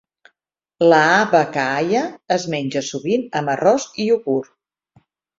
L'aavakaaya es menja sovint amb arròs i iogurt.